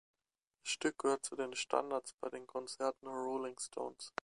Das Stück gehört zu den Standards bei den Konzerten der Rolling Stones.